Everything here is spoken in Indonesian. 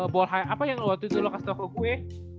ball high apa yang waktu itu lo kasih tau ke gue